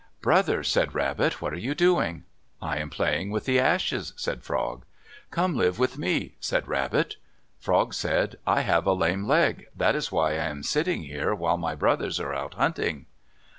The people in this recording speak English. "Brother," said Rabbit, "what are you doing?" "I am playing with the ashes," said Frog. "Come live with me," said Rabbit. Frog said, "I have a lame leg. That is why I am sitting here while my brothers are out hunting."